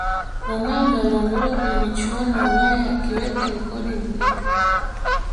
ronaldo aliondolewa kwenye michuano ya ulaya akiweka rekodi lukuki